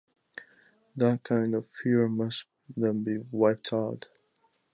That kind of fear must then be wiped out.